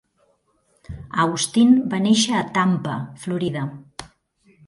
Austin va néixer a Tampa, Florida.